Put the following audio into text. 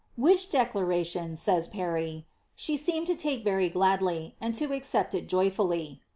^ Which declaration," says Parry, " she seemed to Uike ▼ery gladly, and to accept it joyfully.